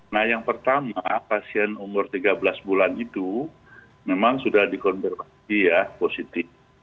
nah yang pertama pasien umur tiga belas bulan itu memang sudah dikonfirmasi ya positif